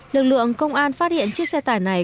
lực lượng công an phát hiện chiếc xe tải này